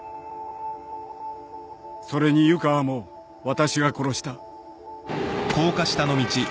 それに湯川も私が殺した。